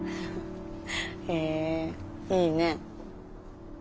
へえいいね。